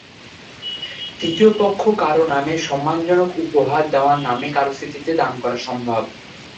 তৃতীয় পক্ষ কারো নামে, সম্মানজনক উপহার দেওয়ার নামে, কারো স্মৃতিতে দান করা সম্ভব।